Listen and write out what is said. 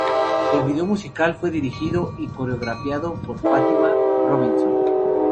El vídeo musical fue dirigido y coreografiado por Fátima Robinson.